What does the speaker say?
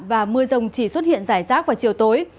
và mưa rồng chỉ xuất hiện rải rác vào chiều tối